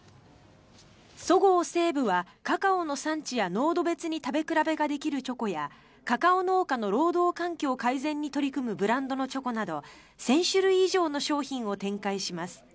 そごう・西武はカカオの産地や濃度別に食べ比べができるチョコやカカオ農家の労働環境改善に取り組むブランドのチョコなど１０００種類以上の商品を展開します。